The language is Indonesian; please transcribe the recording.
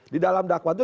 di dalam dakwaan itu